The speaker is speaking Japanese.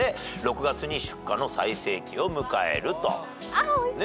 ああおいしそう。